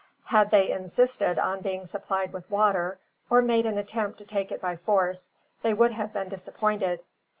Had they insisted on being supplied with water, or made an attempt to take it by force, they would have been disappointed.